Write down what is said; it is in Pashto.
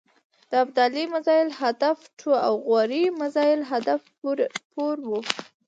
د ابدالي میزایل حتف ټو او غوري مزایل حتف فور و.